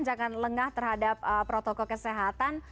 jangan lengah terhadap protokol kesehatan